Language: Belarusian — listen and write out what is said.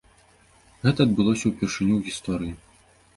Гэта адбылося ўпершыню ў гісторыі.